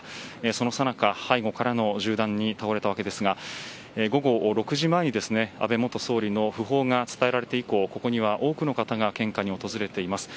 そのさなか背後からの銃弾に倒れたわけですが午後６時前に安倍元総理の訃報が伝えられて以降ここには多くの方が献花に訪れています。